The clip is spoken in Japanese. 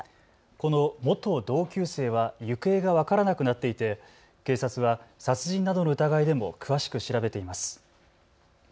この元同級生は行方が分からなくなっていて警察は殺人などの疑いでも詳しく調べています。